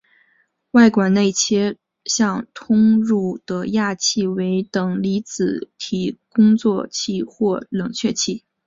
外管内切向通入的氩气为等离子体工作气或冷却气。